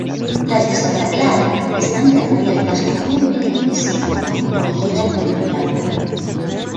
Las de "Santa Clara" están recubiertas con un merengue seco, originalmente blanco.